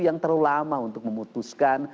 yang terlalu lama untuk memutuskan